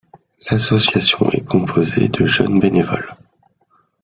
L'association est composée de jeunes bénévoles.